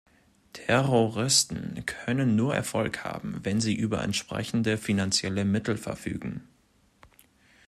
Terroristen können nur Erfolg haben, wenn sie über entsprechende finanzielle Mittel verfügen.